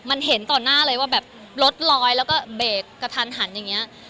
มันเห็นต่อหน้าเลยว่าแบบรถลอยแล้วก็เบรกกระทันหันอย่างนี้